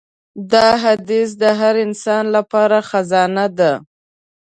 دا حدیث د هر انسان لپاره خزانه ده.